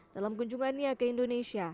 dalam kunjungannya ke indonesia